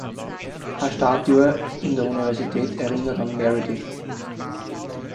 Eine Statue in der Universität erinnert an Meredith.